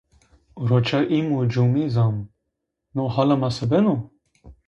Roca im u cümi zam. No halê ma se beno?